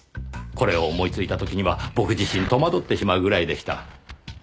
これを思いついた時には僕自身戸惑ってしまうぐらいでした。